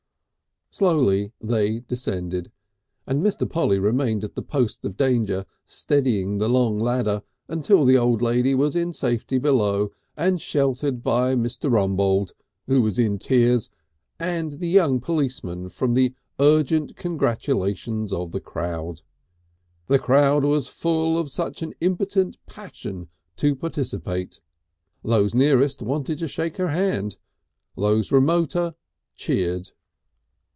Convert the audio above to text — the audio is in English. Slowly they descended, and Mr. Polly remained at the post of danger steadying the long ladder until the old lady was in safety below and sheltered by Mr. Rumbold (who was in tears) and the young policeman from the urgent congratulations of the crowd. The crowd was full of an impotent passion to participate. Those nearest wanted to shake her hand, those remoter cheered.